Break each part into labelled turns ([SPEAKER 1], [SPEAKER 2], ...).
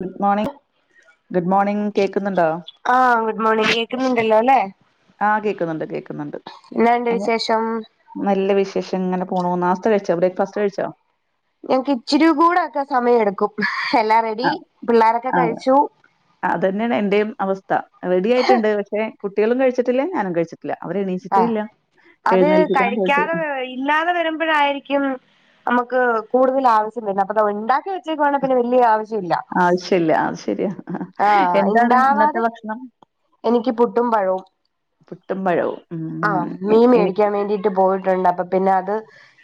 [SPEAKER 1] Good morning good morning കേക്ക്ന്ന്ണ്ടൊ.
[SPEAKER 2] ആഹ് good morning. കേക്ക്ന്ന്ണ്ടല്ലൊലെ.
[SPEAKER 1] ആഹ് കേക്ക്ന്ന്ണ്ട്. കേക്ക്ന്ന്ണ്ട്
[SPEAKER 2] എന്നാണ്ട്
[SPEAKER 1] എനെ
[SPEAKER 2] വിശേഷം
[SPEAKER 1] നല്ല വിശേഷം. ഇങ്ങനെ പോണൂ. നാർത്തെ കഴിച്ചൊ. ബ്രേക്ക്ഫാസ്റ്റ് കഴിച്ചൊ.
[SPEAKER 2] ഞങ്ങക്ക് ഇച്ചിരി കൂടെ ഒക്കെ സമയം എടുക്കും. എല്ലാം റെഡി പിള്ളാരൊക്കെ കഴിച്ചു.
[SPEAKER 1] അതെന്നെണ് എന്റെയും അവസ്ഥ റെഡി ആയിട്ടുണ്ട് പക്ഷെ കുട്ടികളും കഴിച്ചിട്ടില്ല ഞാനും കഴിച്ചി ട്ടില്ല അവര് എണീച്ചിട്ടെ
[SPEAKER 2] ആഹ്
[SPEAKER 1] ഇല്ല
[SPEAKER 2] അത്
[SPEAKER 1] എഴുന്നേൽപ്പിക്കണം പോയിട്ട്
[SPEAKER 2] കഴിക്കാതെ ഇല്ലാതെ വരുമ്പഴായിരിക്കും നമ്ക്ക് കൂടുതലാവ്ശ്യം വര്ണ് അപ്പതാ ഇണ്ടാക്കി [unintelligible] വെച്ചക്കു വാണേൽ പിന്നെ വലിയ ആവശ്യം ഇല്ല
[SPEAKER 1] ആവശ്യമില്ല അത് ശരിയാ
[SPEAKER 2] ആഹ്
[SPEAKER 1] എന്താണ് ഇന്നത്തെ
[SPEAKER 2] ഇണ്ടാവാതെ
[SPEAKER 1] ഭക്ഷണം
[SPEAKER 2] എനിക്ക് പുട്ടും പഴവും
[SPEAKER 1] പുട്ടും പഴവും ഉം.
[SPEAKER 2] ആഹ്
[SPEAKER 1] എ-
[SPEAKER 2] മീൻ
[SPEAKER 1] എനിക്ക്
[SPEAKER 2] മേടിക്കാൻ വേണ്ടിട്ട് പോയിട്ടുണ്ട് അപ്പൊ പിന്നെ അത്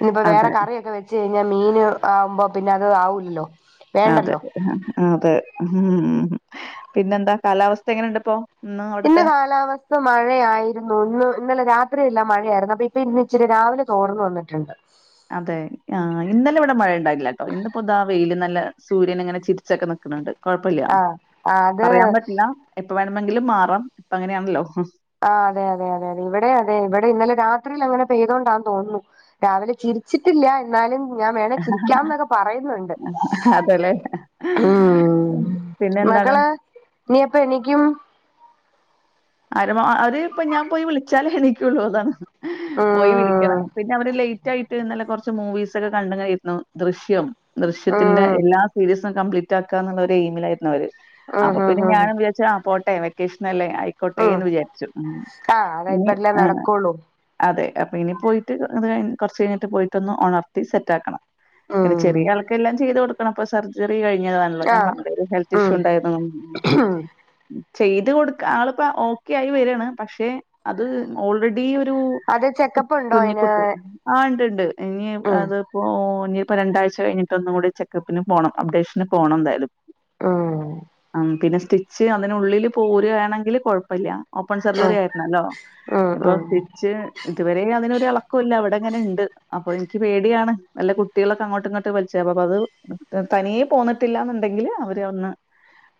[SPEAKER 2] ഇന്നിപ്പോ വേറെ
[SPEAKER 1] അതെ
[SPEAKER 2] കറിയൊക്കെ വെ വെച്ച് കഴിഞ്ഞാൽ മീൻ ആവുമ്പോ പിന്നെ അത് ആവൂല്ലോ
[SPEAKER 1] അതെ അതെ ഉ പിന്നെന്താ കാലാവസ്ഥ എങ്ങനെണ്ട്പ്പോ
[SPEAKER 2] ഇന്ന് കാലാവസ്ഥ ഇന്ന് മഴയായിരുന്നു ഇന്ന് ഇന്നലെ രാത്രിയല്ല മഴയായിരുന്നു അപ്പൊ ഇപ്പൊ ഇന്ന ഇച്ചിരി രാവിലെ തോർന്ന വന്നിട്ടുണ്ട്
[SPEAKER 1] അതെ ആ ഇന്നലെ ഇവിടെ മഴയ ഉണ്ടായില്ല കേട്ടോ ഇന്നപ്പോ ഇതാ വെയിൽ നല്ല സൂര്യൻ ഇങ്ങനെ ചിരിച്ചൊക്കെ നിൽക്കുന്നുണ്ട് കുഴപ്പില്ല
[SPEAKER 2] ആഹ് ആഹ് അത്
[SPEAKER 1] പറയാൻ പറ്റില്ല ഇപ്പൊ വേണമെങ്കിലും മാറാം ഇപ്പ അങ്ങനെയാണല്ലോ
[SPEAKER 2] ആഹ് അതെയതെ അതെ അതെ ഇവിടെ അതെ ഇവിടെ ഇന്നലെ രാത്രിയിൽ അങ്ങനെ പെയ്തുകൊണ്ടാന്ന് തോന്നുന്നു രാവിലെ ചിരിച്ചിട്ടില്ല എന്നാലും ഞാൻ വേണെ ചിരിക്കാം എന്നൊക്കെ പറയുന്നുണ്ട്
[SPEAKER 1] അതെല്ലേ പിന്നെ എന്താണ്
[SPEAKER 2] ഇനി എപ്പം എണീക്കും
[SPEAKER 1] ആര അവര് ഇപ്പ ഞാൻ പോയി വിളിച്ചാലേ എനിക്കള്ളൂ അതാണ് പോയി
[SPEAKER 2] ഉം
[SPEAKER 1] വിളിക്കണം പിന്നെ അവര് ലറ്റ് തായിട്ട് ഇന്നലെ കുറച്ച് മൂവീസ് ഒക്കെ കണ്ട കിരുന്നു ദൃശ്യം ദൃശ്യത്തിന്റെ
[SPEAKER 2] ഉം
[SPEAKER 1] എല്ലാ സീരീ [unintelligible] തു കംപ്ലിറ്റആകുക എന്ന എയിമിലായിരുന്നു അവര് അപ്പൊ
[SPEAKER 2] ഉം ഉം
[SPEAKER 1] പിന്നെ
[SPEAKER 2] ഉം
[SPEAKER 1] ഞാൻവിചാരിച്ചു പോട്ടെ വെക്കേഷല്ലേ
[SPEAKER 2] ഉം
[SPEAKER 1] കൊട്ടേന്ന് വിചാരിച്ചു
[SPEAKER 2] ആഹ് അതാ
[SPEAKER 1] ഇനി
[SPEAKER 2] ഇപ്പഴല്ലേ
[SPEAKER 1] ആഹ്
[SPEAKER 2] നടക്കുള്ളൂ
[SPEAKER 1] അതെ അപ്പൊ ഇനി പോയിട്ട്അതുകഴിഞ്ഞ കുറച്ചു കഴിഞ്ഞിട്ട് പോയിട്ടൊന്ന് ഉണർത്തി സെറ്റ് ആക്കണം പിന്നെ
[SPEAKER 2] ഉം
[SPEAKER 1] ചെറിയ ആൾക്കെല്ലാം ചെയ്ത് കൊടുക്കണം അപ്പ സർജറി കഴിഞ്ഞ ഞാൻ
[SPEAKER 2] ആഹ്
[SPEAKER 1] പറഞ്ഞില്ലേ ഒരു ഹെൽത്തിഇഷ്യൂ
[SPEAKER 2] ഉം
[SPEAKER 1] ഉണ്ടായിരുന്നു ചെയ്തുകൊടുക്കുക ഓക്കെ ആയി വരാണ് പക്ഷെ അത് ഓൾറെഡി ഒരു
[SPEAKER 2] അത് ചെക്കപ്പ് ഉണ്ടോ
[SPEAKER 1] കുഞ്ഞ കുട്ടെ
[SPEAKER 2] അയിന്
[SPEAKER 1] ആഹ് ഉണ്ട് ഇനി
[SPEAKER 2] ഉം
[SPEAKER 1] അതിപ്പോ ഇനിപ്പോ രണ്ടാഴ്ച കഴിഞ്ഞിട്ട് ഒന്നും കൂടി ചെക്ക്പ്പ് പിന്നെ പോണം അപ്ഡേഷന് പോണം എന്തായാലും
[SPEAKER 2] ഉം
[SPEAKER 1] ആ പിന്നെ സ്റ്റിച്ച് അതിനള്ളില് പോരു വയാണെങ്കില് കുഴപ്പില്ല ഓപ്പൺ സർജറി
[SPEAKER 2] ഉം
[SPEAKER 1] ആയിരുന്നല്ലോ
[SPEAKER 2] ഉം
[SPEAKER 1] ഇപ്പൊ
[SPEAKER 2] ഉം
[SPEAKER 1] സ്റ്റിച്ച് ഇതുവരെ അതിനൊരു അളക്കം ഇല്ല അവിടെ അങ്ങനെ ഉണ്ട് അപ്പൊ എനിക്ക് പേടിയാണ് നല്ല കുട്ടികളൊക്കെ അങ്ങോട്ടും ഇങ്ങോട്ട് വലിച്ചത് അപ്പ അത് തനിയേ പോന്നിട്ടില്ലന്നുണ്ടെങ്കില് അവര് ഒന്ന്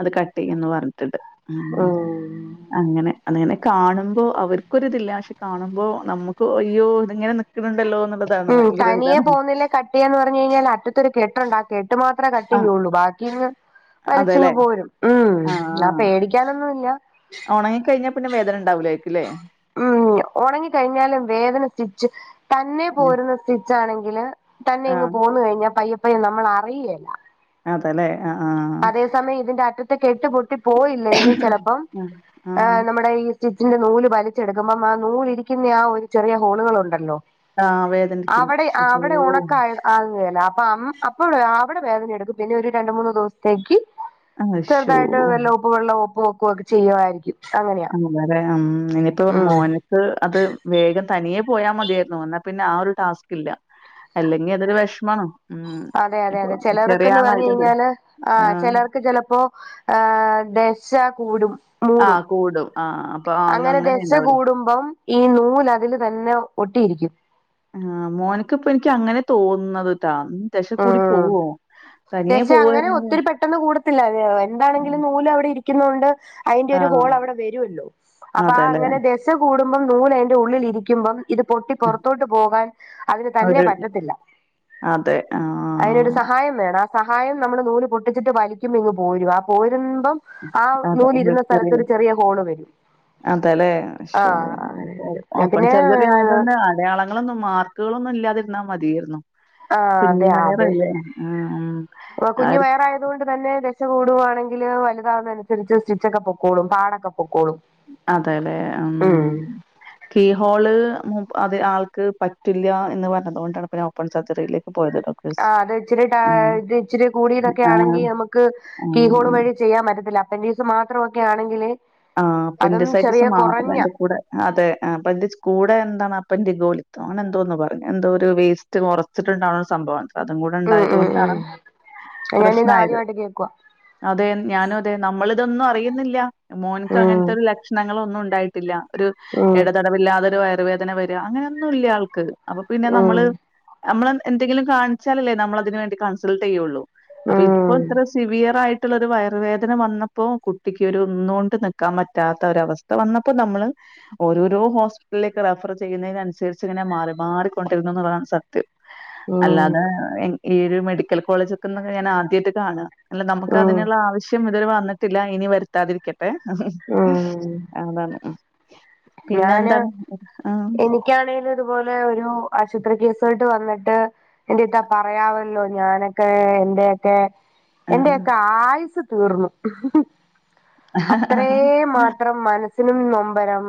[SPEAKER 1] അത് കട്ട് ചെയ്യന്ന് പറഞ്ഞിട്ടുണ്ട് ആഹ്
[SPEAKER 2] ഉം
[SPEAKER 1] അങ്ങനെ അതങ്ങനെ കാണുമ്പോ അവർക്കൊരി ഇതില്ല പക്ഷെ കാണുമ്പോ നമുക്ക് അയ്യോ ഇതിങ്ങനെ ക വന്നാലോ ണ്ടല്ലോന്നത്
[SPEAKER 2] ഉം തനിയെ പോകുന്നില്ലേ കട്ടിയാന്ന് പറഞ്ഞു കഴിഞ്ഞാൽ അറ്റത്തൊരു കെട്ടുണ്ടാക്കും കെട്ട് മാത്രമേ കട്ട്
[SPEAKER 1] ആ
[SPEAKER 2] ചെയ്യുള്ളൂ ബാക്കിങ്ങ് വലിച്ചിങ്ങ്
[SPEAKER 1] അതെല്ലേ
[SPEAKER 2] പോരും ഉം പേടി ടിക്കാൻ ഒന്നുമില്ല
[SPEAKER 1] ഉണങ്ങി കഴിഞ്ഞാ പിന്ന വേദന ഉണ്ടാവൂല
[SPEAKER 2] ഉം ഉണങ്ങിക്കഴിഞ്ഞാലും വേദന സ്റ്റിച്ച് തന്നെ പോരുന്ന സ്റ്റിച്ചാണെങ്കില് തന്നെ
[SPEAKER 1] ആ
[SPEAKER 2] ഇങ്ങ് പോന്ന കഴിഞ്ഞാൽ പയ്യപ്പയ്യെ നമ്മൾ അറിയുകല്ല
[SPEAKER 1] അതേല്ലേ
[SPEAKER 2] അതേസമയം ഇതിന്റെ അറ്റത്തെ കെട്ട് പൊട്ടി പോയില്ലെങ്കിൽ ചെലപ്പം ആഹ് നമ്മുടെ ഈ സ്റ്റിച്ചിന്റെ നൂല് വലിച്ചെടുക്കുമ്പം ആ നൂലിരിക്കുന്ന ആ ഒരു ചെറിയ ഹോളുകളൾ ഉണ്ടല്ലോ
[SPEAKER 1] ആഹ് വേദനിക്കും.
[SPEAKER 2] അവടെ ആ
[SPEAKER 1] അയ്യോ
[SPEAKER 2] അവടെ ഓണക്കായ അങ്ങന അപ്പ അം അപ്പ അവട വേദന എട്ക്കും പിന്നെ ഒരു രണ്ട് മൂന്ന് ദുസ് ത്തെക്ക്
[SPEAKER 1] അശ്ശോ
[SPEAKER 2] ചെർതായിട്ട് നല്ല ഉപ്പ് വെള്ള ഉപ്പ് വെക്കു ഒക്ക ചെയ്യുവായിരിക്കും അങ്ങനെ
[SPEAKER 1] ളരെ ഉം ഇനിയിപ്പോ മോന് അത് വേഗം തനിയേ പോയാ മതിയായിര്ന്നു എന്നാ പിന്നെ ആ ഒരു ടാസ്ക് ഇല്ല അല്ലെങ്കി അതൊരു വേഷ്മാണ്
[SPEAKER 2] അതെ അതെ അതെ ചെലർക്ക്ന്ന് പർഞ് കഴിഞ്ഞാല് ആ
[SPEAKER 1] ആഹ്
[SPEAKER 2] ചെലർക്ക് ചെലപ്പോ ആ ദശ കൂടും മൂടും
[SPEAKER 1] ആഹ് കൂടും ആഹ് അപ്പൊ ആ, അങ്ങ-
[SPEAKER 2] അങ്ങനെ ദശ
[SPEAKER 1] ഉണ്ടാവൂലേ
[SPEAKER 2] കൂടുമ്പം ഈ നൂല് അതില് തന്നെ ഒട്ടിയിരിക്കും
[SPEAKER 1] ആ മോന്ക്ക് ഇപ്പ ഇൻക്യ്‌ അങ്ങനെ തോന്ന്ന്നത്ട്ടാ ദശ കൂടി പോവോ തനിയെ
[SPEAKER 2] ദശ അങ്ങനെ
[SPEAKER 1] പോവായിരുന്നെങ്കി
[SPEAKER 2] ഒത്തിരി പെട്ടെന്ന് കൂടത്തില്ല ഇഞ് എന്താണെങ്കിലും നൂല് അവ്ടെ ഇരി ക്യ്‌ന്നോണ്ട് അയിന്റെ ഒരു
[SPEAKER 1] ആഹ്
[SPEAKER 2] ഹോൾ അവടെ വരോല്ലോ അപ്പം ആ
[SPEAKER 1] അതെല്ലേ
[SPEAKER 2] അങ്ങനെ ദഷ് ശ കൂടുമ്പം നൂല് അയിന്റെ ഉള്ളില് ഇരിക്ക്യ്‌മ്പം ഇത് പൊട്ടി പൊറത്തോട്ട് പോകാൻ അതിന് തന്നെ
[SPEAKER 1] ഒരു
[SPEAKER 2] പറ്റത്തില്ല
[SPEAKER 1] അതെ ആ
[SPEAKER 2] അയിനൊര് സഹായം വേണം ആ സഹായം നമ്മള് നൂല് പൊട്ടിച്ചിട്ട് വലിക്കുമ്പ ഇങ്ങ് പോരും ആ പോരുമ്പം ആ
[SPEAKER 1] അതെ
[SPEAKER 2] നൂല് ഇര്ന്ന സ്ഥലത്ത് ഒരു ചെറിയ ഹോള് വരും
[SPEAKER 1] അതലെ ശ്ശോ
[SPEAKER 2] ആഹ് അങ്ങനെ
[SPEAKER 1] ഓ
[SPEAKER 2] വരും
[SPEAKER 1] ഓപ്പൺ
[SPEAKER 2] പിന്നെ
[SPEAKER 1] സർജറി ആയതോണ്ട് അടയാളങ്ങളൊന്നും മാർക്ക്കളൊന്നും ഇല്ലാതിര്ന്നാ മതിയായിരുന്നു
[SPEAKER 2] ആഹ്
[SPEAKER 1] കുഞ്ഞി
[SPEAKER 2] അതെ അത്
[SPEAKER 1] വയറല്ലെ ആ ആ ആര്ക്
[SPEAKER 2] അതോണ്ട് തന്നെ ദശ കൂടുവാണെങ്കില് വല്താവ്നൻസര്ച്ച് സ്റ്റിച്ചൊക്ക പൊക്കോളും പാടക്ക പൊക്കോളും
[SPEAKER 1] അതെ ലെ ഉം കീ ഹോള് അത് ആൾക്ക് പറ്റില്ല എന്ന് പറഞ്ഞതോണ്ടാണ് ഇപ്പം ഞാൻ ഓ പ്പൺ സർജറിയിലേക്ക് പോയതടാ
[SPEAKER 2] ആ അത് ഇച്ചിരി ടാ ഇത് ഇച്ചിരി കൂടിയതക്കെ
[SPEAKER 1] ആഹ്.
[SPEAKER 2] ആണെങ്കി നമുക്ക് കീ ഹോള്
[SPEAKER 1] ആഹ്.
[SPEAKER 2] വഴി ചെയ്യാം പറ്റത്തില്ല അപ്പൻഡിക്സ് മാത്ര ഒക്കെ ആണെങ്കില്
[SPEAKER 1] ആ
[SPEAKER 2] അതും ചെറിയ
[SPEAKER 1] അപ്പൻ്റിസൈറ്റ്സം മാത്ര
[SPEAKER 2] കുറഞ്ഞ
[SPEAKER 1] അയ്ന്റെ കൂടെ അതെ അപ്പൻ്റിസ് കൂടെ എന്താണ് അപ്പൻ്റിഗോലിതൊ അങ്ങനെ എന്തോന്ന് പറഞ്ഞു എന്തോ ഓരു വേസ് സ്റ്റ് കൊറച്ചിണ്ടാവ്ണ ഒരു സംഭവാണ് അതും കൂടെ
[SPEAKER 2] ഉം
[SPEAKER 1] ഇണ്ടായത്
[SPEAKER 2] ഉം
[SPEAKER 1] കൊണ്ടാണ്
[SPEAKER 2] ഉം ഞാനിത്
[SPEAKER 1] പ്രശ്നായത്
[SPEAKER 2] ആദ്യമായിട്ട് കേക്കുവാ
[SPEAKER 1] അതെ ഞാനും അതെ നമ്മള് ഇതൊന്നും അറിയുന്നില്ല മോന്ക്ക്
[SPEAKER 2] ഉം
[SPEAKER 1] അങ്ങൻത്തെ ഒരു ലക്ഷണങ്ങളൊന്നും ഇണ്ടായി ട്ടില്ല ഒരു
[SPEAKER 2] ഉം
[SPEAKER 1] എടതടവില്ലാതൊരു വയറുവേദന വര അങ്ങനൊന്നുല്യ ആൾക്ക് അപ്പം പിന്നെ
[SPEAKER 2] ഉം
[SPEAKER 1] നമ്മള് നമ്മള് എ എന്തെങ്കിലും കാൺച്ചാലല്ലേ നമ്മള് അതിന് വേണ്ടി കൺസൾട്ട് ചെയ്യോള്ളൂ അപ്പ ഇപ്പം
[SPEAKER 2] ഉം
[SPEAKER 1] ഇത്ര സിവിയറായിട്ടുള്ള ഒരു വയറുവേദന വന്നപ്പോ കുട്ടിക്കൊരു ഒന്നോണ്ട് നിക്കാം പറ്റാത്ത ഒരവസ്ഥ വന്നപ്പം നമ്മള് ഓരോരോ ഹോസ്പിറ്റൽലേക്ക് റഫർ ചെയ്യുന്നെനൻസര്ച്ച് ഇങ്ങനെ മാറി മാറിക്കൊണ്ടിര്ന്നുന്നുള്ളതാണ് സത്യം
[SPEAKER 2] ഉം
[SPEAKER 1] അല്ലാതെ ഈ ഒരു മെഡിക്കൽ കോളേജ്ക്ക്ന്നൊക്കെ ഞാന് ആദ്യായിട്ട് കാണ അല്ല നമുക്ക്
[SPEAKER 2] ഉം
[SPEAKER 1] അതിന്ള്ള ആവശ്യം ഇതുവരെ വന്നിട്ടില്ല ഇനി വര്ത്താതിരി ട്ടെ
[SPEAKER 2] ഉം
[SPEAKER 1] അതാണ് ഉം പിന്നെ എന്താണ് ആ
[SPEAKER 2] ക്ക്യാണെല് ഇതുപോലെ ഒരു ആശുത്രി കേസുവായിട്ട് വന്നിട്ട് എന്റെ ഇത്താ പറയാവല്ലൊ ഞാനെക്കെ എന്റെയേക്കെ
[SPEAKER 1] ആഹ്
[SPEAKER 2] എന്റെയേക്ക ആയുസ് തീർന്നു അത്രേ മാ ത്രം മനസ്സിനും നൊമ്പരം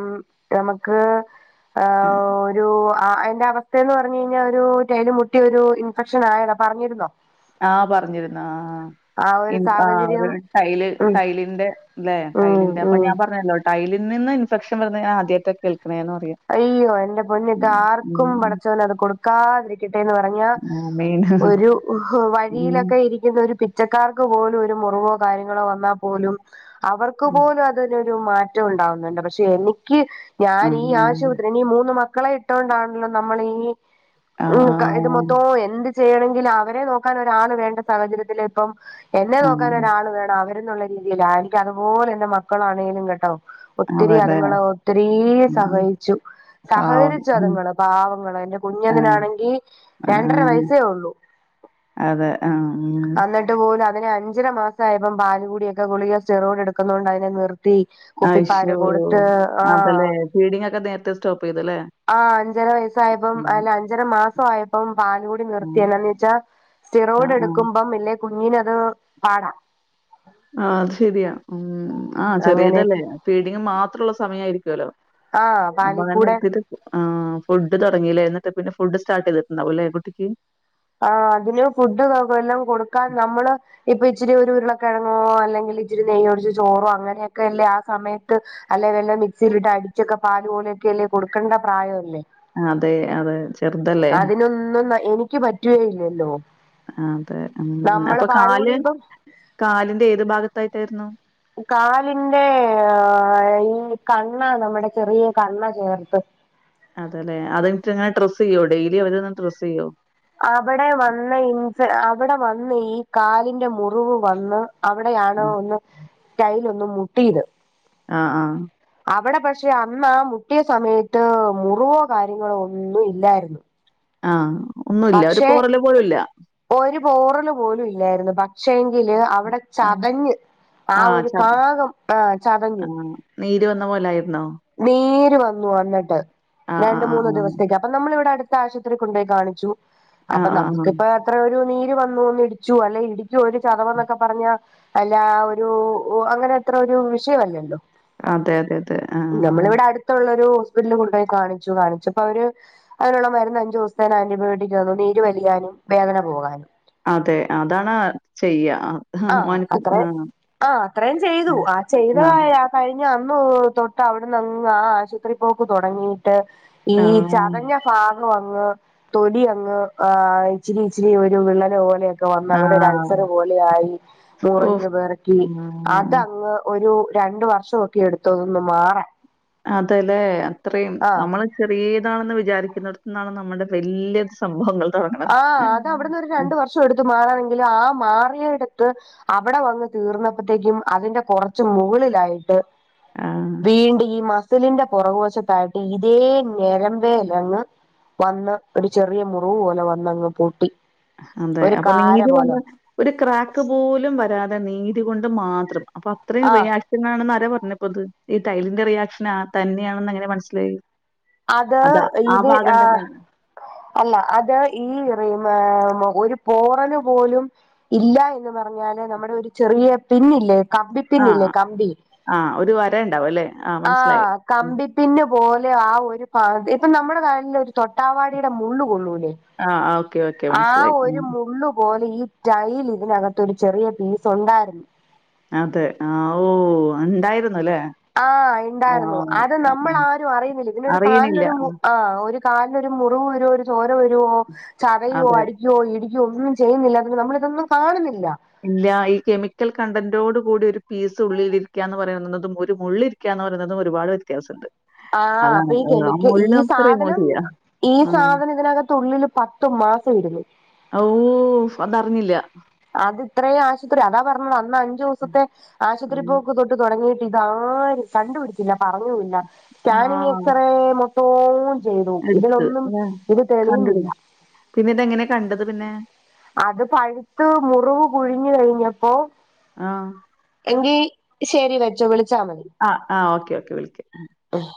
[SPEAKER 2] നമുക്ക് ആ ഒരു അ അയ്ൻ്റെ അവസ് സ്ഥെന്ന് പറഞ്ഞു കയ്ഞ്ഞാ ഒരുടൈയില് മുട്ടിയ ഒരു ഇൻഫെക്ഷനായതാ പറഞ്ഞിരുന്നോ
[SPEAKER 1] ആഹ പറഞ്ഞിരുന്നു ആഹ ആഹ
[SPEAKER 2] ആ ഒരു
[SPEAKER 1] ഇൻ ആഹ ഒര്
[SPEAKER 2] സാഹചര്യം
[SPEAKER 1] ടൈല്
[SPEAKER 2] ഉം
[SPEAKER 1] ടൈലിന്റെ ലേ
[SPEAKER 2] ഉം
[SPEAKER 1] ടൈലിന്റെ അപ്പം
[SPEAKER 2] ഉം
[SPEAKER 1] ഞാൻ പറഞ്ഞല്ലോ ടൈലിൽ നിന്ന് ഇൻഫെക്ഷൻ വരുന്നത് ഞാൻ ആദ്യായിട്ടാ കേൾക്ക്ണേന്ന് പറയാ
[SPEAKER 2] അയ്യോ എൻ്റെ പൊന്നിത്ത
[SPEAKER 1] ഉം
[SPEAKER 2] ആർക്കും
[SPEAKER 1] ഉം
[SPEAKER 2] പടച്ചോൻ അത് കൊടുക്കാതിരിക്കെട്ടേന്ന് പറഞ്ഞാ
[SPEAKER 1] ആമീൻ
[SPEAKER 2] ഹൊ വഴിയിലൊക്കെ ഇരിയ്ക്കുന്ന ഒരു പിച്ചക്കാർക്ക് പോലും ഒരു മുറിവോ കാര്യങ്ങളോ വന്നാ പോലും അവർക്ക്
[SPEAKER 1] ഉം
[SPEAKER 2] പോലും അതിനൊരു മാറ്റം ഉണ്ടാവുന്നുണ്ട് പക്ഷെ എനിയ്ക്ക് ഞാനീ ആശു
[SPEAKER 1] ആമേൻ.
[SPEAKER 2] നീ മൂന്ന് മക്കളെ ഇട്ടോണ്ടാണല്ലോ നമ്മളീ
[SPEAKER 1] ആ
[SPEAKER 2] ക്ക ഇത് മൊത്തോം എന്ത് ചെയ്യണെങ്കിലും അവരെ നോക്കാൻ ഒരാള് വേണ്ട സാഹചര്യത്തില് ഇപ്പം എന്നെ
[SPEAKER 1] ആ
[SPEAKER 2] നോക്കാൻ ഒരാള് വേണം അവരെന്നുള്ള രീതിയിലാ എനിയ്ക്ക് അതുപോലെ എന്റെ മക്കളാണേലും കേട്ടോ ഒത്തിരി
[SPEAKER 1] അവരുടെ
[SPEAKER 2] അതുങ്ങള് ഒത്തിരി
[SPEAKER 1] ഉം
[SPEAKER 2] സഹായി [unintelligible]
[SPEAKER 1] പാവം
[SPEAKER 2] സഹകരിച്ച്
[SPEAKER 1] ഉം
[SPEAKER 2] അതുങ്ങൾ പാവങ്ങൾ എൻ്റെ
[SPEAKER 1] ആ
[SPEAKER 2] കുഞ്ഞവനാണെങ്കിൽ
[SPEAKER 1] ആ
[SPEAKER 2] രണ്ടര വയസ്സേ ഉള്ളൂ
[SPEAKER 1] അതെ ആഹ് ഉം
[SPEAKER 2] എന്നിട്ട് പോലും അതിനെ അഞ്ചരമാസം ആയപോ പാലുകൂടിയൊക്കെ ഗുളിക സിറോയിഡ് എടുക്കുന്നോണ്ട് അതിനെ നിർ [unintelligible] കുപ്പി പാൽക്കൊടുത്ത് ആഹ്
[SPEAKER 1] ഫീഡിംഗ് ഒക്കെ നേരത്തെ സ്റ്റോപ്പ് ചെയ്തല്ലേ
[SPEAKER 2] ആഹ് അഞ്ചര വയസ്സായപ്പം
[SPEAKER 1] ഉം
[SPEAKER 2] അല്ല അഞ്ചര മാസം ആയപ്പം
[SPEAKER 1] ഉം
[SPEAKER 2] നിർത്തിയന്ന് വെച്ചാ
[SPEAKER 1] ആ
[SPEAKER 2] സിറോയിഡ്
[SPEAKER 1] ആ
[SPEAKER 2] എടുക്കുമ്പം ഇല്ലെ കുഞ്ഞിനത് പാടാ
[SPEAKER 1] ആഹ് അത് ശരിയാ ഉം ആഹ് ചെറിയതല്ലേ
[SPEAKER 2] അങ്ങനെയൊക്കെ
[SPEAKER 1] ഫീഡിംഗ് മാത്രമുള്ള സമയയിരിക്കുവല്ലോ
[SPEAKER 2] ആഹ്
[SPEAKER 1] അപ്പൊ അങ്ങനെ
[SPEAKER 2] പാലിക്കൂടെ
[SPEAKER 1] നിർത്തി ആഹ് ഫുഡ് തുടങ്ങില്ലേ എന്നിട്ട് പിന്നെ ഫുഡ് സ്റ്റാർട്ട് ചെയ്തിട്ടുണ്ടാവില്ലേ കുട്ടിക്ക്
[SPEAKER 2] ആഹ് അതിന് ഫുഡ് എല്ലാം കൊടുക്കാൻ നമ്മള് ഇപ്പൊ ഇച്ചിരി ഒരു ഉരുളക്കിഴങ്ങോ അല്ലെങ്കിൽ ഇച്ചിരി നെയ് ഒഴിച്ച് ചോറോ അങ്ങനെയൊക്കെ അല്ലേ ആ സമയത്ത് അല്ലെ വല്ല മിക്സിയിലിട്ട് അടിച്ചൊക്കെ പാല് പോലെയൊക്കെ അല്ലേ കൊടുക്കണ്ട പ്രായം അല്ലേ
[SPEAKER 1] അതെ അതൊക്കെ
[SPEAKER 2] അതിനൊന്നും എനിക്ക് പറ്റുകേ ഇല്ലല്ലോ
[SPEAKER 1] ആഹ് അതെ ഉം അപ്പൊ കാല്
[SPEAKER 2] ഇപ്പം
[SPEAKER 1] കാലിന്റെ ഏത് ഭാഗത്തായിട്ടായിരുന്നു
[SPEAKER 2] കാലിന്റെ ഈ കണ്ണ നമ്മുടെ ചെറിയ കണ്ണ ചേർത്ത്
[SPEAKER 1] അതെല്ലെ അത് എന്നിട്ട് ഇങ്ങനെ ഡ്രസ് ചെയ്യോ ഡെയിലി അവർവന്ന് ഡ്രസ് ചെയ്യോ
[SPEAKER 2] അവിടെ വന്ന് ഇൻ അവിടെ വന്ന് ഈ കാലിന്റെ മുറിവ് വന്ന് അവിടെയാണ്
[SPEAKER 1] ഉം
[SPEAKER 2] ഒന്ന് ടൈലോന്നു മുട്ടിയത്
[SPEAKER 1] ആഹ് ആഹ്
[SPEAKER 2] അവിടെ പക്ഷെ അന്ന് മുട്ടിയ സമയത്ത് മുറിവോ കാര്യങ്ങളോ ഒന്നും ഇല്ലായിരുന്നു
[SPEAKER 1] ആഹ് ഒന്നുമില്ല ഒരു
[SPEAKER 2] പക്ഷെ
[SPEAKER 1] പോറൽ പോലുമില്ല
[SPEAKER 2] ഒരു പോറൽ പോലും ഇല്ലായിരുന്നു പക്ഷെങ്കില് അവിടെ
[SPEAKER 1] ആഹ്
[SPEAKER 2] ചതഞ്ഞ് ആ
[SPEAKER 1] ആഹ്
[SPEAKER 2] ഒരു
[SPEAKER 1] ച
[SPEAKER 2] ഭാഗം ആഹ് ചതഞ്ഞു
[SPEAKER 1] ആഹ് നീര് വന്ന പോലായിരുന്നോ
[SPEAKER 2] നീര് വന്നു വന്നിട്ട്
[SPEAKER 1] ആഹ്
[SPEAKER 2] രണ്ട്
[SPEAKER 1] ആഹ്
[SPEAKER 2] മൂന്ന്
[SPEAKER 1] ആഹ്
[SPEAKER 2] ദിവസേക്ക് അപ്പൊ നമ്മൾ ഇവിടെ അടുത്ത ആശുപത്രിക്ക് കൊണ്ട് പോയി കാണിച്ചു
[SPEAKER 1] ആഹ്
[SPEAKER 2] അപ്പൊ
[SPEAKER 1] ആഹ് ആഹ് ആഹ്
[SPEAKER 2] നമുക്കിപ്പ അത്ര ഒരു നീര് വന്നു ഒന്ന് ഇടിച്ചു അല്ലെ ഇടിക്കുവ ഒരു ചതവ് എന്നൊക്കെ പറഞ്ഞാൽ അല്ല ഒരു അങ്ങനെ അത്ര ഒരു വിഷയമല്ലല്ലോ
[SPEAKER 1] അതെ അതെ അതെ
[SPEAKER 2] നമ്മൾ
[SPEAKER 1] ആഹ്
[SPEAKER 2] ഇവിടെ അടുത്തുള്ളൊരു ഹോസ്പിറ്റലിൽ കൊണ്ടു പോയി കാണിച്ചു കാണിച്ചപ്പൊ അവർ അതിനുള്ള മരുന്ന് അഞ്ച് ദിവസത്തേക്ക് ആന്റിബയോട്ടിക് തന്നു നീര് വലിയാനും വേദന പോകാനും
[SPEAKER 1] അതെ അതാണ് ആഹ് ചെയ്യ ആഹ്
[SPEAKER 2] ആഹ്
[SPEAKER 1] മോൻക്ക്
[SPEAKER 2] അത്ര ആഹ് അത്രയും ചെയ്തു ആഹ്
[SPEAKER 1] ആഹ്
[SPEAKER 2] ചെയ്തതായ കഴിഞ്ഞ അന്ന് തൊട്ട് അവിടുന്നങ്ങ് ആഹ് ആശുപത്രി പോക്ക് തുടങ്ങി ട്ട് ഈ
[SPEAKER 1] ആ.
[SPEAKER 2] ചതഞ്ഞ ഭാഗ അങ്ങ് തൊലി അങ്ങ് ആഹ് ഇച്ചിരി ഇച്ചിരി ഒരു വിള്ളൽ പോലെ ക്കെ വന്ന്
[SPEAKER 1] ആ.
[SPEAKER 2] അവിടെ അൾസർ പോലെ ആയി
[SPEAKER 1] ഓഹ്!
[SPEAKER 2] മുറിഞ്ഞു പെറക്കി
[SPEAKER 1] ആഹ്.
[SPEAKER 2] അതങ്ങ് ങ്ങ് ഒരു രണ്ട് വർഷൊക്കെ എടുത്തു അതൊന്ന് മാറാൻ
[SPEAKER 1] അതല്ലെ അത്രയും
[SPEAKER 2] ആഹ്
[SPEAKER 1] നമ്മള് ചെറീതാണെന്ന് വിചാരിക്കുന്നട്ത്ത് നിന്നാണ് നമ്മുടെ വല്യ സംഭവങ്ങൾ തുടങ്ങണത്
[SPEAKER 2] ആഹ് അത് അവിടുന്ന് ഒരു രണ്ട് വർഷം എടുത്തു മാറാണെങ്കിലും ആഹ് മാറിയടുത്ത് അവിടെ വന്ന് തീർന്നപ്പത്തേക്കും അതിന്റെ കൊറച്ച് മുകളിലായിട്ട്
[SPEAKER 1] ആ.
[SPEAKER 2] വീണ്ടും ഈ മസ് സ്ലിന്റെ പൊറകുവശത്തായിട്ട് ഇതേ ഞരമ്പേലെന്നെ വന്ന് ഒരു ചെറിയ മുറിവ് പോലെ വന്നങ്ങ് പൊട്ടി
[SPEAKER 1] അതെ
[SPEAKER 2] ഒരു
[SPEAKER 1] അപ്പൊ
[SPEAKER 2] കാര
[SPEAKER 1] നീര്
[SPEAKER 2] പോലെ
[SPEAKER 1] വന്ന് ഒരു ക്രാക്ക് പോലും വരാതെ നീര് കൊണ്ട് മാത്രം അപ്പൊ അത്രയും
[SPEAKER 2] ആഹ്
[SPEAKER 1] റിയാ [unintelligible] ആണെന്ന് ആരേ പറഞ്ഞപ്പൊത് ഈ ടൈലിന്റെ റിയാക്ഷൻ ആഹ് തന്നെയാണെന്ന് എങ്ങനെ മനസ്സിലായി
[SPEAKER 2] അത്
[SPEAKER 1] അതാ ആ
[SPEAKER 2] ഇത്
[SPEAKER 1] ഭാഗം
[SPEAKER 2] ആഹ്
[SPEAKER 1] തന്നെയാണ്.
[SPEAKER 2] അല്ല അത് ഈ റിമേ ഒരു പോറല് പോലും ഇല്ല എന്ന് പറഞ്ഞാല് നമ്മടെ ഒരു ചെറിയ പിന്നില്ലേ കമ്പി പിന്നില്ലേ കമ്പി
[SPEAKER 1] ആഹ് ഒരു വര ഇണ്ടാവും അല്ലെ
[SPEAKER 2] ആഹ് കമ്പി പിന്ന് പോലെ ആഹ് ഒരു പ ഇപ്പം നമ്മടെ കാലിൽ ഒരു തൊട്ടാവാടിയുടെ മുള്ള് കൊള്ളൂലേ
[SPEAKER 1] ആ. ആ. ഓക്കെ, ഓക്കെ
[SPEAKER 2] ആഹ്
[SPEAKER 1] മനസ്സിലായി.
[SPEAKER 2] ഒരു
[SPEAKER 1] ഉം.
[SPEAKER 2] മുള്ളു പോലെ ഈ ടൈല് ഇതിനകത്ത് ഒരു ചെറിയ പീസ് ഒണ്ടായ്ര്ന്ന്
[SPEAKER 1] അതെ ആവോ ഒണ്ടായിരുന്നുല്ലേ
[SPEAKER 2] ആഹ് ഇണ്ടായിരുന്നു അത് നമ്മൾ ആരും അറിയുന്നില്ല ഇതിന് ഒരു
[SPEAKER 1] അറിയണില്ല.
[SPEAKER 2] കാൽനൊരു മു ആഹ് ഒരു കാലിലൊരു മുറിവ് വരുവോ ഒരു ചോര വരുവോ ചതയുവോ
[SPEAKER 1] അതെ.
[SPEAKER 2] അടി ക്കയോ ഇടിക്കയോ ഒന്നും ചെയ്യുന്നില്ല അതിന് നമ്മൾ ഇതൊന്നും കാണുന്നില്ല
[SPEAKER 1] ഇല്ല ഈ കെമിക്കൽ കണ്ടന്റോട് കൂടി ഒരു പീസ് ഉള്ളിലിരിക്കാന്ന് പറയുന്നതും ഒരു മുള്ള് ഇരി ക്കാന്ന് പറയുന്നതും ഒരുപാട് വെത്യാസുണ്ട്
[SPEAKER 2] ആഹ് അപ്പം ഈ കെമിക്ക് ഈ
[SPEAKER 1] റിമൂവ്
[SPEAKER 2] സാധനം
[SPEAKER 1] ചെയ്യാം.
[SPEAKER 2] ഈ
[SPEAKER 1] ആഹ്.
[SPEAKER 2] സാധനം ഇതിനകത്ത് ഉള്ളില് പത്തു മാസം ഇരുന്നു
[SPEAKER 1] ആവൂ ഫ് അതറിഞ്ഞില്ല
[SPEAKER 2] അത് ഇത്രയും ആശുത്രി അതാ പറഞ്ഞത് അന്ന് അഞ്ചൂസത്തെ ആശുത്രി
[SPEAKER 1] ഉം.
[SPEAKER 2] പോക്ക് തൊ ട്ട് തൊടങ്ങിയിട്ട് ഇതാരും കണ്ടുപിടിച്ചില്ല പറഞ്ഞൂം ഇല്ല സ്കാനിങ്
[SPEAKER 1] ആഹ്.
[SPEAKER 2] എക്സറേ മൊ ത്തോം ചെയ്തു
[SPEAKER 1] എടുത്ത്.
[SPEAKER 2] ഇതിലൊന്നും ഇത് തെളിയുന്നില്ല
[SPEAKER 1] പിന്നെ ഇതെങ്ങനെ കണ്ടത് പിന്നെ
[SPEAKER 2] അത് പഴുത്ത് മുറിവ് കുഴിഞ്ഞ് കഴിഞ്ഞപ്പോ
[SPEAKER 1] ആഹ്
[SPEAKER 2] എങ്കി ശെരി വെച്ചോ വിളിച്ചാ മതി
[SPEAKER 1] ആഹ് ആഹ് ഓക്കെ ഓക്കെ വിളിക്കാം
[SPEAKER 2] ആഹ്